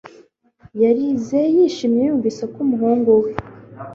Yarize yishimye yumvise ko umuhungu we